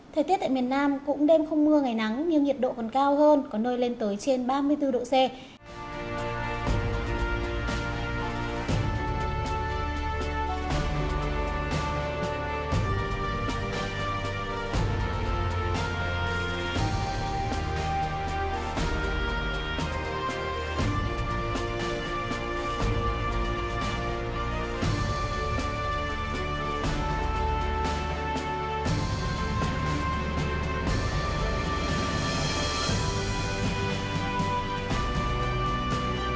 thời tiết tại miền nam cũng đêm không mưa ngày nắng nhưng nhiệt độ còn cao hơn có nơi lên tới trên ba mươi bốn độ c